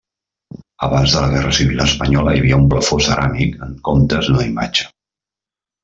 Abans de la Guerra Civil Espanyola hi havia un plafó ceràmic en comptes d'una imatge.